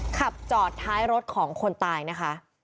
ขับจอดท้ายรถของคนตายนะคะ